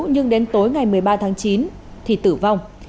nhưng đến tối ngày một mươi ba tháng chín thì tử vong